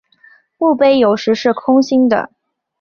墓碑有时是空心的。